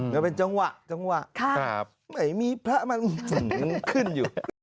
ก็เป็นจังหวะไม่มีพระมันขึ้นอยู่